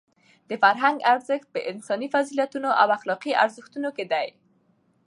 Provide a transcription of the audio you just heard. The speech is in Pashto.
د فرهنګ ارزښت په انساني فضیلتونو او په اخلاقي ارزښتونو کې دی.